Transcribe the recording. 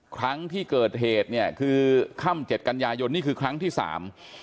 ครั้งที่เกิดเหตุเนี่ยคือค่ำเจ็ดกันยายนนี่คือครั้งที่สาม